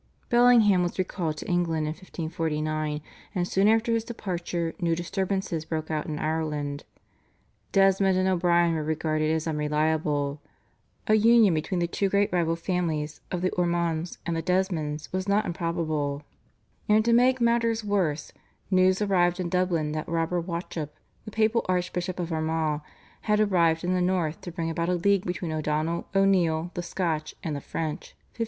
Bellingham was recalled to England in 1549, and soon after his departure new disturbances broke out in Ireland. Desmond and O'Brien were regarded as unreliable; a union between the two great rival families of the Ormonds and the Desmonds was not improbable, and to make matters worse, news arrived in Dublin that Robert Wauchope, the papal Archbishop of Armagh, had arrived in the North to bring about a league between O'Donnell, O'Neill, the Scotch, and the French (1550).